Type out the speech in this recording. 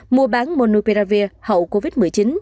mua bán monopiravir hậu covid một mươi chín